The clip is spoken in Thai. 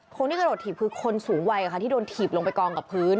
คนที่กระโดดถีบคือคนสูงวัยค่ะที่โดนถีบลงไปกองกับพื้น